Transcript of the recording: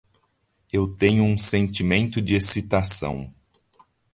Eu tenho um sentimento de excitação